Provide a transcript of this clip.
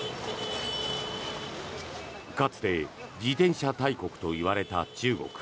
かつて自転車大国といわれた中国。